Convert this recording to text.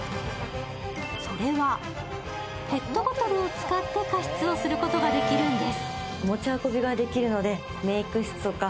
それはペットボトルを使って加湿をすることができるんです。